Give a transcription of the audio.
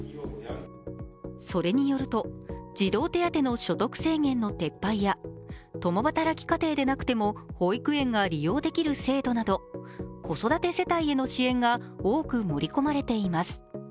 それによると、児童手当の所得制限の撤廃や共働き家庭でなくても保育園が利用できる制度など子育て世帯への支援が多く盛り込まれています。